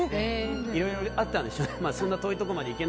いろいろあったんでしょうね。